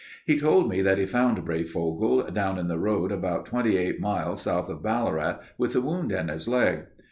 He told me that he found Breyfogle down in the road about twenty eight miles south of Ballarat with a wound in his leg.